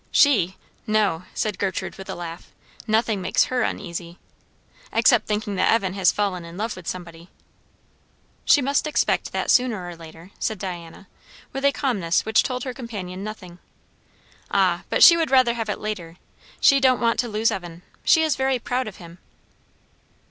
"She? no," said Gertrude with a laugh; "nothing makes her uneasy. Except thinking that Evan has fallen in love with somebody." "She must expect that sooner or later," said Diana, with a calmness which told her companion nothing. "Ah, but she would rather have it later. She don't want to lose Evan. She is very proud of him."